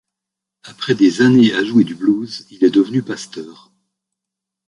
Après des années à jouer du blues, il est devenu pasteur.